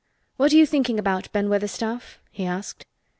"What are you thinking about, Ben Weatherstaff?" he asked.